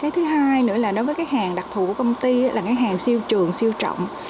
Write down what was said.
thứ hai nữa là đối với hàng đặc thụ của công ty là hàng siêu trường siêu trọng